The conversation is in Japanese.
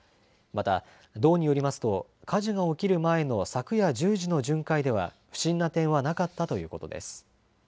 また道によりますと火事が起きる前の昨夜１０時の巡回では不審な点はなかったということです。